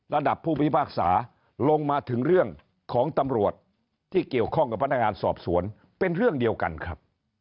ระดับผู้พิพากษาลงมาถึงเรื่องของตำรวจที่เกี่ยวข้องกับพนักงานสอบสวนเป็นเรื่องเดียวกันครับ